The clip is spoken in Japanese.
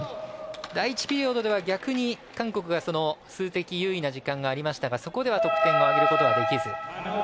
第１ピリオドでは逆に韓国が数的優位な時間がありましたがそこでは得点を挙げることができず。